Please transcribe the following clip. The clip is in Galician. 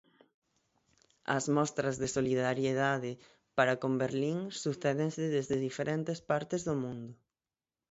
As mostras de solidariedade para con Berlín sucédense desde diferentes partes do mundo.